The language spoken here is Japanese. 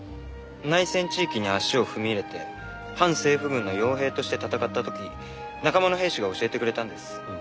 内戦地域に足を踏み入れて反政府軍の傭兵として戦った時仲間の兵士が教えてくれたんです。